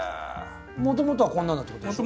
もともとはこんなだってことでしょ？